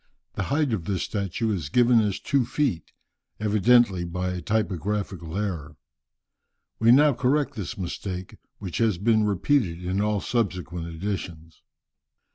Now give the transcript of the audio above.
the height of this statue is given as two feet, evidently by a typographical error. We now correct this mistake, which has been repeated in all subsequent editions.